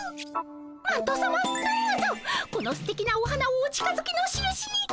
マントさまどうぞこのすてきなお花をお近づきのしるしに。